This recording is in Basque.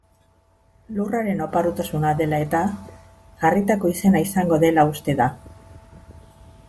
Lurraren oparotasuna dela eta jarritako izena izango dela uste da.